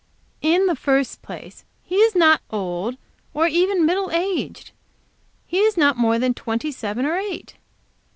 "In the first place he is not old, or even middle aged. He is not more than twenty seven or eight.